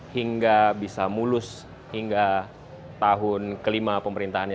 hingga bisa mulus hingga tahun kelima pemerintahannya